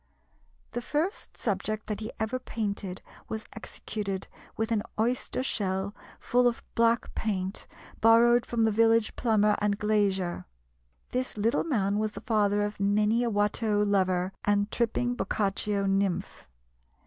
The first subject that he ever painted was executed with an oyster shell full of black paint, borrowed from the village plumber and glazier. This little man was the father of many a Watteau lover and tripping Boccaccio nymph.